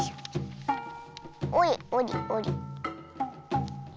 おりおりおり。